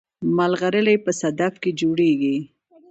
ملغلرې په صدف کې جوړیږي